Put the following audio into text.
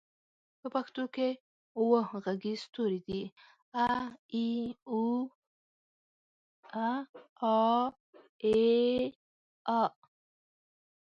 په پښتو کې اووه غږيز توري دي: اَ، اِ، اُ، اٗ، اٰ، اٖ، أ.